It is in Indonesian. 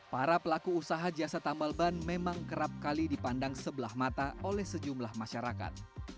para pelaku usaha jasa tambal ban memang kerap kali dipandang sebelah mata oleh sejumlah masyarakat